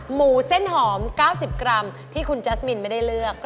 หมูเส้นหอม๙๐กรัมที่คุณแจ๊สมินไม่ได้เลือก